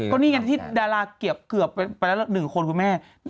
ก็นี่ไงที่ดาราเกือบไปแล้ว๑คนคุณแม่